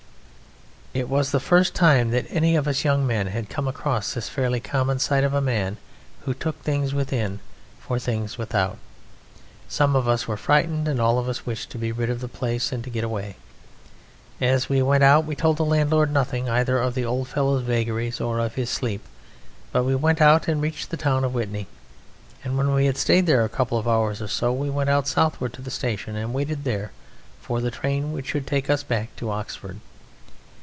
It was the first time that any of us young men had come across this fairly common sight of a man who took things within for things without; some of us were frightened, and all of us wished to be rid of the place and to get away. As we went out we told the landlord nothing either of the old fellow's vagaries or of his sleep, but we went out and reached the town of Whitney, and when we had stayed there a couple of hours or so we went out southward to the station and waited there for the train which should take us back to Oxford.